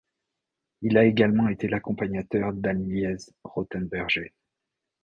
Il a également été l'accompagnateur d'Anneliese Rothenberger.